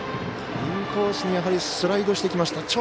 インコースにやはりスライドしてきました。